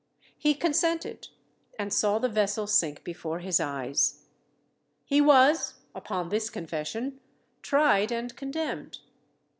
He consented, and saw the vessel sink before his eyes. He was, upon this confession, tried and condemned.